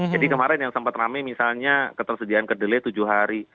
jadi kemarin yang sempat rame misalnya ketersediaan kedelai tujuh hari